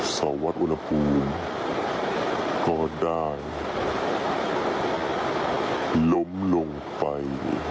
สวัสดิอุณหภูมิก็ได้ล้มลงไป